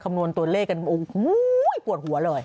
นวณตัวเลขกันโอ้โหปวดหัวเลย